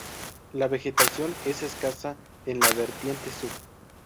La vegetación es escasa en la vertiente sur.